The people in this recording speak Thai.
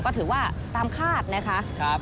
ก็ถือว่าตามคาดนะคะ